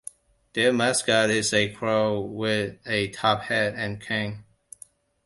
Their mascot is a crow with a top hat and cane.